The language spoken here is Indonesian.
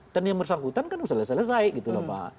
dan yang bersangkutan kan selesai selesai gitu loh pak